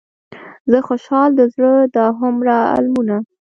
زه خوشحال د زړه دا هومره المونه.